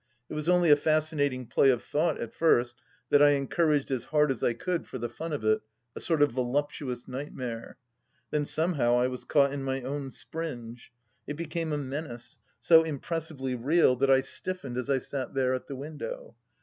... It was only a fascinating play of thought, at first, that I encouraged as hard as I could, for the fun of it — a sort of voluptuous nightmare. ... Then somehow I was caught in my own springe : it became a menace, so impressively real that I stiffened as I sat there at the window.